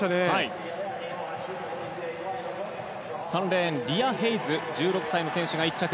３レーン、リア・ヘイズ１６歳の選手が１着。